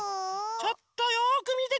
ちょっとよくみてて！